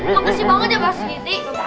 makasih banget ya pak sudi